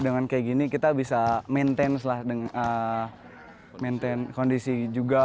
dengan kayak gini kita bisa maintain kondisi juga